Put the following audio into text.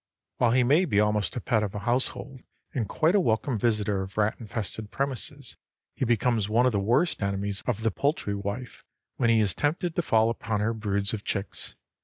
While he may be almost a pet of a household and quite a welcome visitor of rat infested premises, he becomes one of the worst enemies of the poultry wife when he is tempted to fall upon her broods of chicks.